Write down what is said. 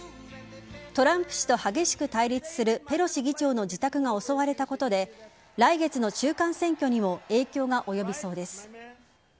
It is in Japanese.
トランプ氏と激しく対立するペロシ議長の自宅が襲われたことで来月の中間選挙にも影響が及びそうです。